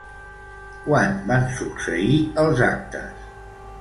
Quan van succeir els actes?